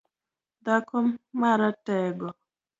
Dhako maratego